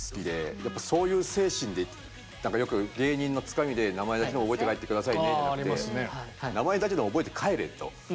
やっぱそういう精神でよく芸人のつかみで名前だけは覚えて帰って下さいねじゃなくて名前だけでも覚えて帰れと。